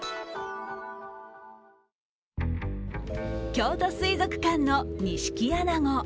京都水族館のニシキアナゴ。